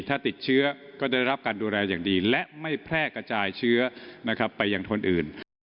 ถ้าติดเชื้อก็ได้รับการดูแลอย่างดีและไม่แพร่กระจายเชื้อไปยังคนอื่น